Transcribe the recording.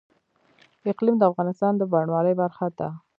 اقلیم د افغانستان د بڼوالۍ برخه ده.